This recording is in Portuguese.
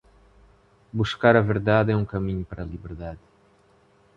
Buscar a verdade é um caminho para a liberdade.